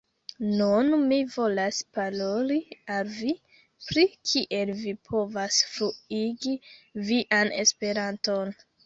Nun, mi volas paroli al vi, pri kiel vi povas fluigi vian Esperanton.